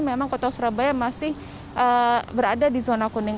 memang kota surabaya masih berada di zona kuning